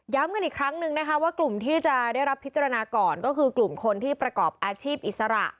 กันอีกครั้งนึงนะคะว่ากลุ่มที่จะได้รับพิจารณาก่อนก็คือกลุ่มคนที่ประกอบอาชีพอิสระ